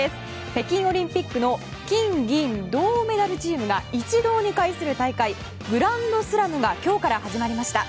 北京オリンピックの金、銀、銅メダルチームが一堂に会する大会グランドスラムが今日から始まりました。